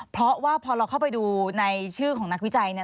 เพราะว่าพอเราเข้าไปดูในชื่อของนักวิจัยเนี่ย